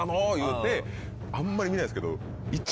あんまり見ないですけど。